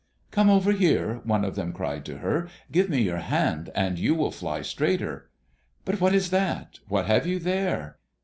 "Come over here," one of them cried to her; "give me your hand, and you will fly straighter but what is that? What have you there?"